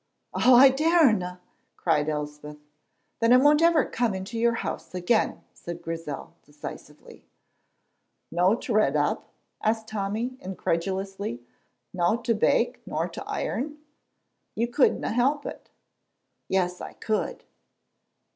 "Oh, I darena!" cried Elspeth. "Then I won't ever come into your house again," said Grizel, decisively. "No to redd up?" asked Tommy, incredulously. "No to bake nor to iron? You couldna help it." "Yes I could."